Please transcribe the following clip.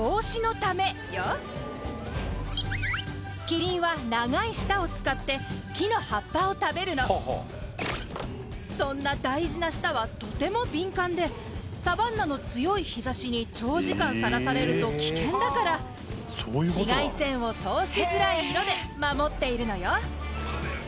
キリンは長い舌を使って木の葉っぱを食べるのそんな大事な舌はとても敏感でサバンナの強い日ざしに長時間さらされると危険だから紫外線を通しづらい色で守っているのよ